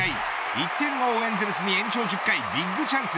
１点を追うエンゼルスに延長１０回ビッグチャンス。